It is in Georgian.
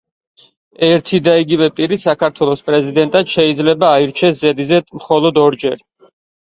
ერთი და იგივე პირი საქართველოს პრეზიდენტად შეიძლება აირჩეს ზედიზედ მხოლოდ ორჯერ.